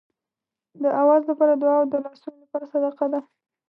د آواز لپاره دعا او د لاسونو لپاره صدقه ده.